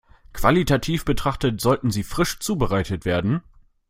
Qualitativ betrachtet, sollten sie frisch zubereitet werden.